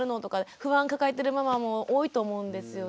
不安抱えてるママも多いと思うんですよね。